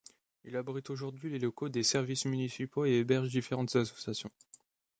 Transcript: Il abrite aujourd'hui les locaux des services municipaux et héberge différentes associations.